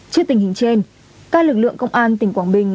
trước tình hình trên các lực lượng công an tỉnh quảng bình